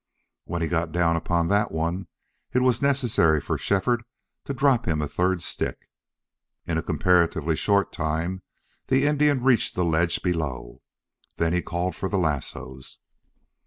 When he got down upon that one it was necessary for Shefford to drop him a third stick. In a comparatively short time the Indian reached the ledge below. Then he called for the lassos.